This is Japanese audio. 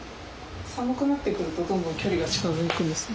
寒くなってくるとどんどん距離が近づくんです。